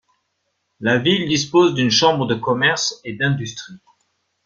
La ville dispose d'une Chambre de commerce et d'industrie.